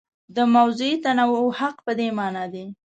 د موضوعي تنوع حق په دې مانا دی.